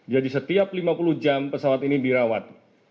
jadi setiap lima puluh jam pesawat ini dirawat